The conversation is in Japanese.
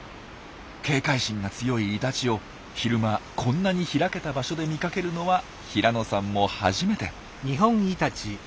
警戒心が強いイタチを昼間こんなに開けた場所で見かけるのは平野さんも初めて。